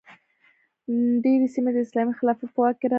ډیرې سیمې د اسلامي خلافت په واک کې راغلې.